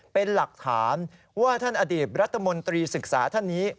เป็นหลักฐานว่าท่านอดีตรัฐมนตรีศึกษาท่านนี้